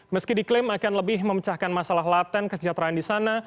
meski diklaim akan lebih memecahkan masalah laten kesejahteraan di sana